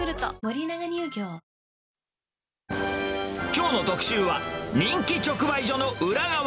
きょうの特集は、人気直売所の裏側。